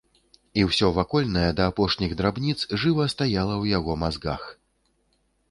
І ўсё вакольнае да апошніх драбніц жыва стаяла ў яго мазгах.